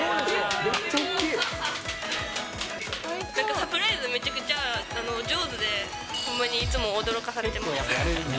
サプライズ、めちゃくちゃ上手で、ほんまにいつも驚かされてます。